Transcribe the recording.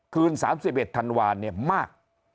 คืน๓๑ธันวาลเนี่ยมาก